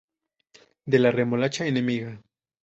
De la remolacha enemiga.